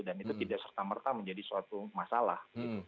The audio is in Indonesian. dan itu tidak serta merta menjadi suatu masalah